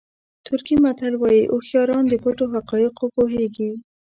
ترکي متل وایي هوښیاران د پټو حقایقو پوهېږي.